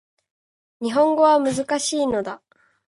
日本語は難しいのだ